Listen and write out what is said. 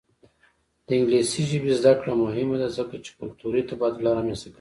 د انګلیسي ژبې زده کړه مهمه ده ځکه چې کلتوري تبادله رامنځته کوي.